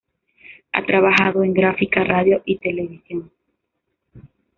Ha trabajado en gráfica, radio y televisión.